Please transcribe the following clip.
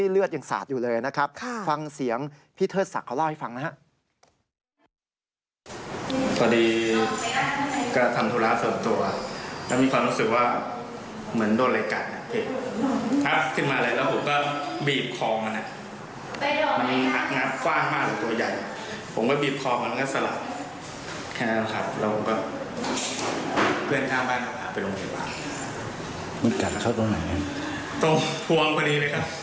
ระหว่างความกลับที่นี่พอดีเลยครับตรงนี้เลยตรงนี้